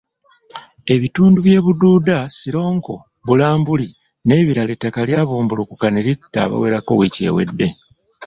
Mu bitundu by'e Bududa, Sironko, Bulambuli n'ebirala ettaka lyabumbulukuka ne litta abawerako wiiki ewedde.